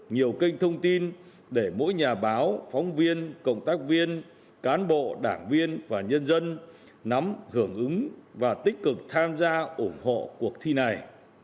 nhiều kênh thông tin để mỗi nhà báo phóng viên cộng tác viên cán bộ đảng viên và nhân dân nắm hưởng ứng và tích cực tham gia ủng hộ cuộc thi này